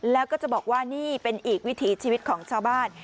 แล้วก็จะบอกว่านี่เป็นอีกวิถีชีวิตของชาวบ้าน